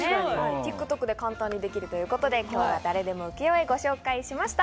ＴｉｋＴｏｋで簡単にできるということで、今日は「誰でも浮世絵」をご紹介しました。